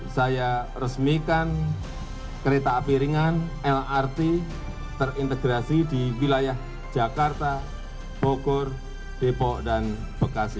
saya resmikan kereta api ringan lrt terintegrasi di wilayah jakarta bogor depok dan bekasi